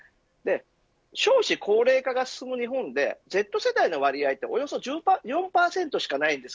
少子高齢化が進む日本でＺ世代の割合はおよそ１４％しかありません。